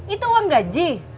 itu uang gaji